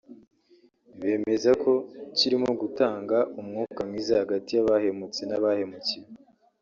bemeza ko kirimo gutanga umwuka mwiza hagati y’abahemutse n’abahemukiwe